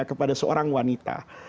kepada seorang wanita